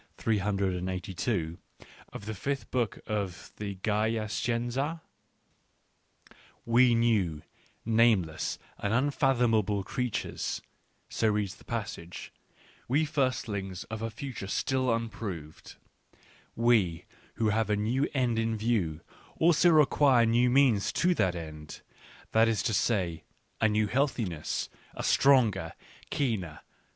382) of the fifth book of the Gaya Scienza :" We new, nameless, and unfathomable creatures," so reads the passage, " we firstlings of a future still unproved — we who have a new end in view also require new means to that end, that is to say, a new healthiness, a stronger, keener